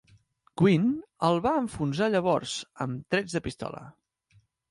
"Gwin" el va enfonsar llavors amb trets de pistola.